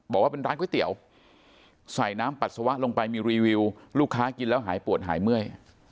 บอกว่าเป็นร้านก๋วยเตี๋ยวใส่น้ำปัสสาวะลงไปมีรีวิวลูกค้ากินแล้วหายปวดหายเมื่อย